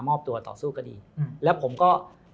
มอบตัวต่อสู้คดีอืมแล้วผมก็